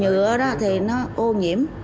nhựa đó thì nó ô nhiễm